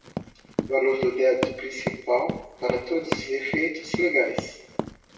valor do débito principal, para todos os efeitos legais.